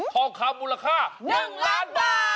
ทองคำมูลค่า๑ล้านบาท